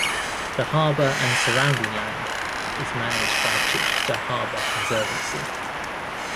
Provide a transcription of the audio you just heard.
The harbour and surrounding land is managed by Chichester Harbour Conservancy.